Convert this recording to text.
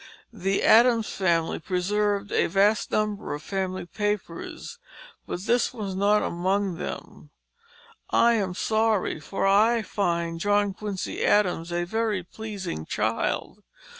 The Adams family preserved a vast number of family papers, but this was not among them. I am sorry; for I find John Quincy Adams a very pleasing child.